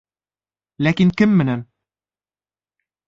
Ләкин кем менән?!